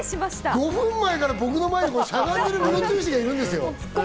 ５分前から僕の前にしゃがんでるムロツヨシがいるんですよ。